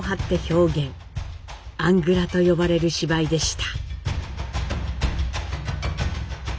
「アングラ」と呼ばれる芝居でした。